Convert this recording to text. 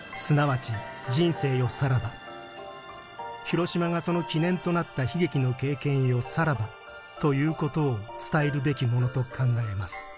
広島がその記念となった悲劇の経験よさらばということを伝えるべきものと考えます」。